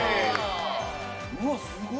うわっすごい。